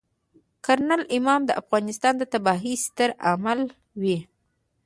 کرنل امام د افغانستان د تباهۍ ستر عامل وي.